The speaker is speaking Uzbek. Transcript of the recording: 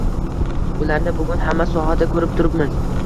Ularni bugun hamma sohada koʻrib turibmiz